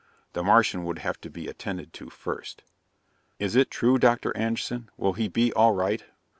The Martian would have to be attended to first. "Is it true, Dr. Anderson? Will he be all right?"